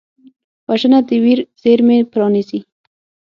وژنه د ویر زېرمې پرانیزي